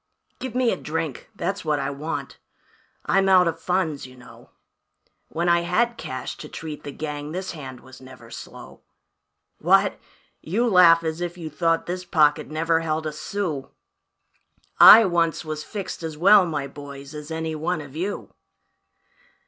"Give me a drink that's what I want I'm out of funds, you know, When I had cash to treat the gang this hand was never slow. What? You laugh as if you thought this pocket never held a sou; I once was fixed as well, my boys, as any one of you.